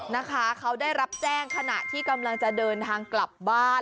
นะคะเขาได้รับแจ้งขณะที่กำลังจะเดินทางกลับบ้าน